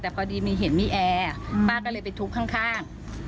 แต่พอดีมีเห็นมีแอร์ป้าก็เลยไปทุบข้าง